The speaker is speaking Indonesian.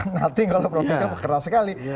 nothing kalau prof jokowi keras sekali